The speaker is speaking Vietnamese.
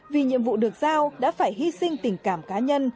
vì nhiệm vụ được giao đã phải hy sinh tình cảm cá nhân